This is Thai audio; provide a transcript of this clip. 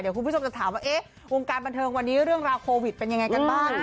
คุณผู้ชมจะถามว่าเอ๊ะวงการบันเทิงวันนี้เรื่องราวโควิดเป็นยังไงกันบ้าง